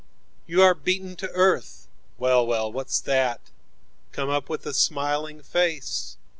9You are beaten to earth? Well, well, what's that?10 Come up with a smiling face.